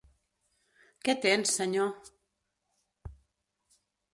Què tens, senyor?